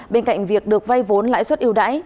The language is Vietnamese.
bên cạnh việc được vay vốn lãi suất yêu đáy